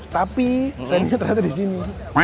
tapi sennya ternyata disini